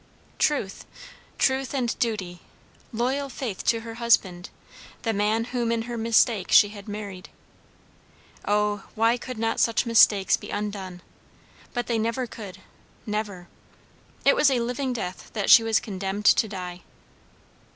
Truth truth and duty loyal faith to her husband, the man whom in her mistake she had married. O, why could not such mistakes be undone! But they never could, never. It was a living death that she was condemned to die.